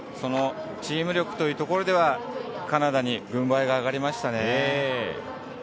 チーム力というところではカナダに軍配が上がりましたね。